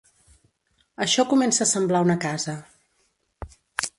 Això comença a semblar una casa.